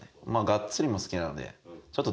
がっつりも好きなので。